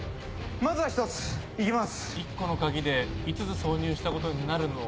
まずは１ついきます。